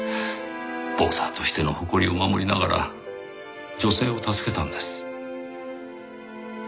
ボクサーとしての誇りを守りながら女性を助けたんです。